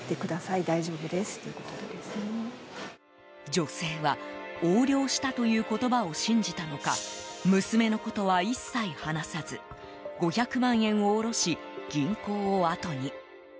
女性は横領したという言葉を信じたのか娘のことは一切話さず５００万円を下ろし銀行を後に。